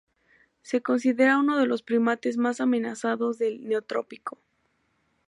Se considera uno de los primates más amenazados del Neotrópico.